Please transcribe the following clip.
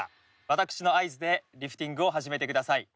私の合図でリフティングを始めてください。